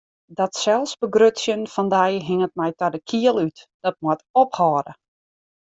Dat selsbegrutsjen fan dy hinget my ta de kiel út, dat moat ophâlde!